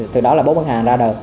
từ đó là bốt bản hàng ra đời